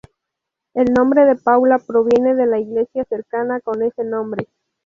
El nombre de Paula proviene de la iglesia cercana con ese nombre.